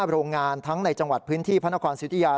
โรงงานทั้งในจังหวัดพื้นที่พระนครสิทธิยา